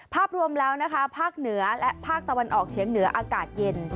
ภาพรวมแล้วนะคะภาคเหนือและภาคตะวันออกเฉียงเหนืออากาศเย็น